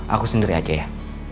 aku sendiri aja ya